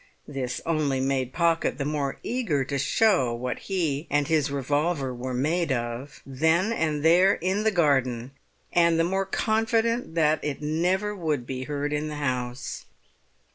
This only made Pocket the more eager to show what he and his revolver were made of, then and there in the garden, and the more confident that it never would be heard in the house.